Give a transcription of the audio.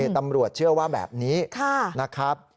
ตำรวจเชื่อว่าแบบนี้นะครับ